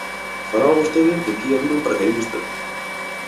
Falaba vostede de que ía vir un paracaidista.